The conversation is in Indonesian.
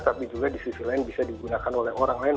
tapi juga di sisi lain bisa digunakan oleh orang lain